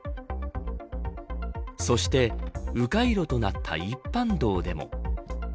そして迂回路となった一般道でも。